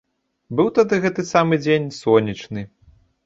Быў тады гэты самы дзень сонечны.